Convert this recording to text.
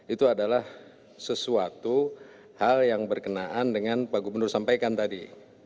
itu adalah sesuatu hal yang berkenaan dengan pak gubernur sampaikan tadi